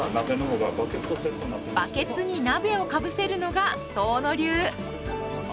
バケツに鍋をかぶせるのが遠野流！